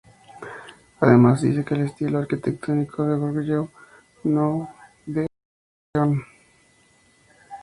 Además, dice que el estilo arquitectónico es de Goguryeo, no de Gojoseon.